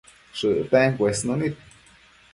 shëcten cuesnunid